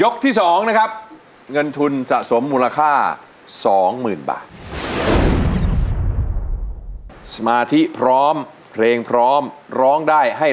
กรุงธนบุรี